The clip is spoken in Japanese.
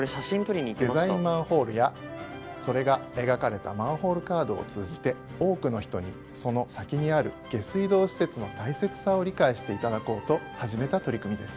デザインマンホールやそれが描かれたマンホールカードを通じて多くの人にその先にある下水道施設の大切さを理解して頂こうと始めた取り組みです。